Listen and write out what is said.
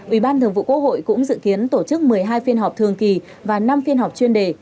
ủy ban thường vụ quốc hội cũng dự kiến tổ chức một mươi hai phiên họp thường kỳ và năm phiên họp chuyên đề